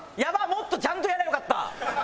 もっとちゃんとやりゃよかった！